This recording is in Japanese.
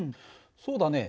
そうだね。